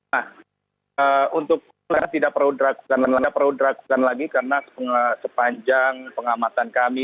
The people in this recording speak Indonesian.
nah untuk tidak perlu dilakukan lagi karena sepanjang pengamatan kami